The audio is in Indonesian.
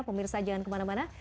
pemirsa jangan kemana mana